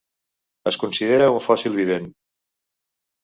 Es considera un fòssil vivent.